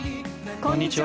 こんにちは。